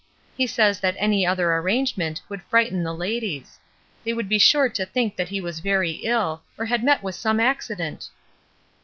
He says that any other arrangement would frighten the ladies; they would be sure to think that he was very ill, or had met with some accident."